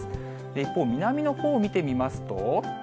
一方、南のほうを見てみますと。